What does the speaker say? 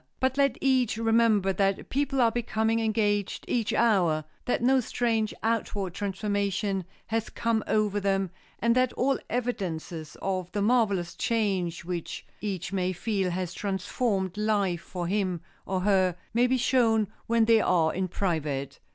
But let each remember that people are becoming engaged each hour, that no strange outward transformation has come over them, and that all evidences of the marvelous change which each may feel has transformed life for him or her may be shown when they are in private.